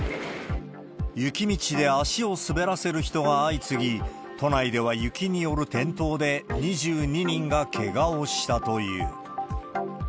雪道で足を滑らせる人が相次ぎ、都内では雪による転倒で２２人がけがをしたという。